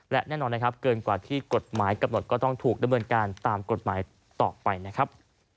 และแน่นอนนะครับเกินกว่าที่กฎหมายกำหนดก็ต้องถูกดำเนินการตามกฎหมายต่อไปนะครับ